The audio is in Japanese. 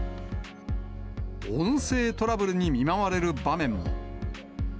音声トラブルに見舞われる場面も。